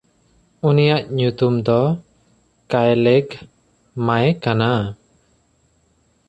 ᱩᱱᱤᱭᱟᱜ ᱧᱩᱛᱩᱢ ᱫᱚ ᱠᱟᱭᱞᱮᱭᱜᱷᱼᱢᱟᱭ ᱠᱟᱱᱟ᱾